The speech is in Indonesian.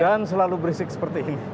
dan selalu berisik seperti ini